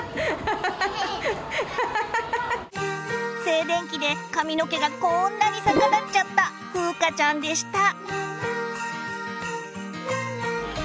静電気で髪の毛がこんなに逆立っちゃったふうかちゃんでした。